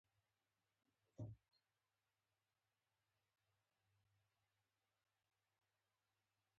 د پوهې خپرول د هر انسان مسوولیت دی.